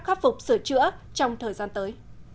khắc phục sửa chữa trong thời gian tới